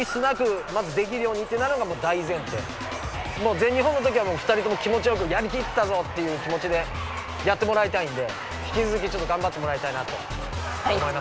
全日本のときはもう２人とも気もちよくやりきったぞっていう気もちでやってもらいたいんで引きつづきがんばってもらいたいなと思います。